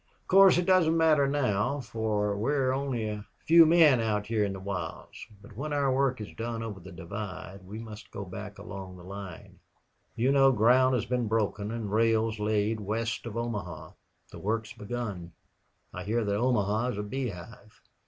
"Of course it doesn't matter now, for we're only a few men out here in the wilds. But when our work is done over the divide, we must go back along the line. You know ground has been broken and rails laid west of Omaha. The work's begun. I hear that Omaha is a beehive.